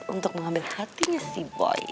untuk mengambil hatinya si boi